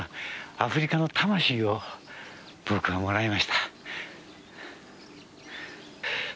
アフリカの魂を僕はもらいました。